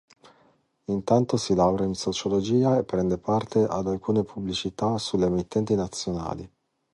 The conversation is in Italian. Intanto si laurea in sociologia e prende parte ad alcune pubblicità sulle emittenti nazionali.